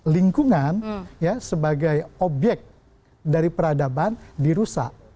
lingkungan sebagai obyek dari peradaban dirusak